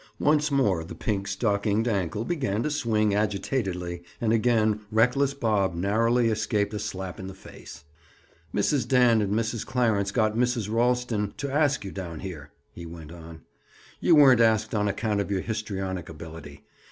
Once more the pink stockinged ankle began to swing agitatedly, and again reckless Bob narrowly escaped a slap in the face. "Mrs. Dan and Mrs. Clarence got Mrs. Ralston to ask you down here," he went on. "You weren't asked on account of your histrionic ability.